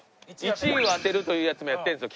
１位を当てるというやつもやってるんですよ